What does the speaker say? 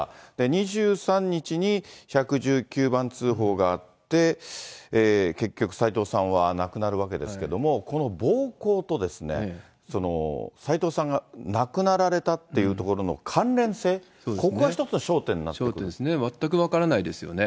２３日に１１９番通報があって、結局、斎藤さんは亡くなるわけですけども、この暴行と斎藤さんが亡くなられたっていうところの関連性、焦点ですね、全く分からないですよね。